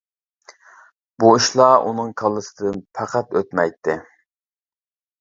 بۇ ئىشلار ئۇنىڭ كاللىسىدىن پەقەت ئۆتمەيتتى.